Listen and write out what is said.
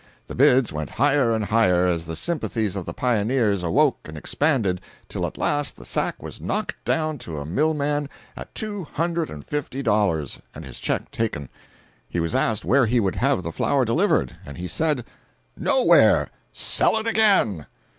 The bids went higher and higher, as the sympathies of the pioneers awoke and expanded, till at last the sack was knocked down to a mill man at two hundred and fifty dollars, and his check taken. He was asked where he would have the flour delivered, and he said: "Nowhere—sell it again."